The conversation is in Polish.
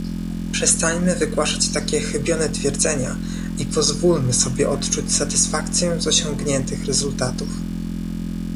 Przestańmy wygłaszać takie chybione twierdzenia i pozwólmy sobie odczuć satysfakcję z osiągniętych rezultatów